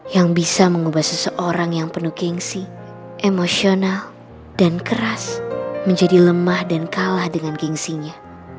yang bisa mengubah seseorang yang penuh gengsi emosional dan keras menjadi lemah dan kalah dengan gengsinya